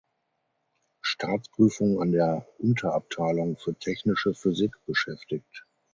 Staatsprüfung an der Unterabteilung für Technische Physik beschäftigt.